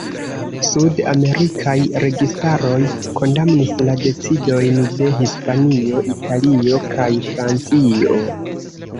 Sud-amerikaj registaroj kondamnis la decidojn de Hispanio, Italio kaj Francio.